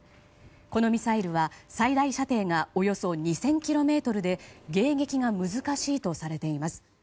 このミサイルは最大射程がおよそ２０００ｋｍで迎撃が難しいとされています。